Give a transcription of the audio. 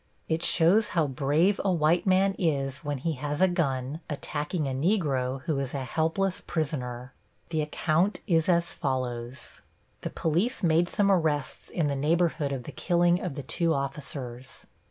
It shows how brave a white man is when he has a gun attacking a Negro who is a helpless prisoner. The account is as follows: The police made some arrests in the neighborhood of the killing of the two officers.